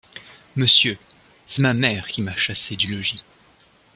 Monsieur, c'est ma mère qui m'a chassée du logis.